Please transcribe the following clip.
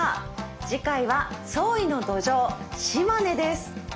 次回は「創意の土壌島根」です。